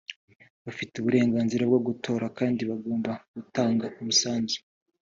bafite uburenganzira bwo gutora kandi bagomba gutanga umusanzu